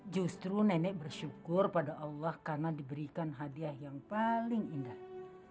justru nenek bersyukur pada allah karena diberikan hadiah yang paling indah